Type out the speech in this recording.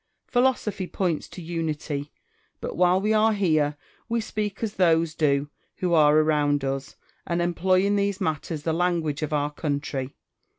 Philosophy points to unity ; but while we are here, we speak as those do who are around us, and employ in these matters the language of our country.